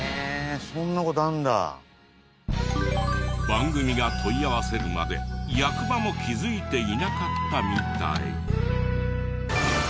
番組が問い合わせるまで役場も気づいていなかったみたい。